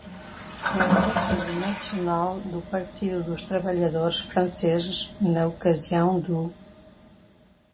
Ao Conselho Nacional do Partido dos Trabalhadores Franceses na Ocasião do